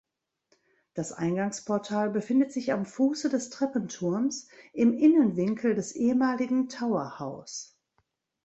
Das Eingangsportal befindet sich am Fuße des Treppenturms im Innenwinkel des ehemaligen Tower House.